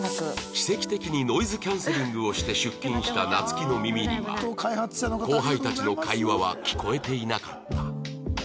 奇跡的にノイズキャンセリングをして出勤した夏希の耳には後輩たちの会話は聞こえていなかった